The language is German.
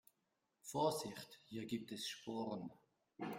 Vorsicht, hier gibt es Sporen.